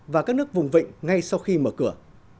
và các nước vùng vịnh ngay sau khi mở cửa